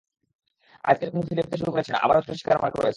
নিজেকে যখন ফিরে পেতে শুরু করেছেন, আবারও চোটের শিকার মার্কো রয়েস।